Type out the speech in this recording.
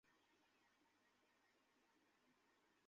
দুঃখিত যে আপনারা আকস্মিক এতোটা ধনী হয়ে গেলেন!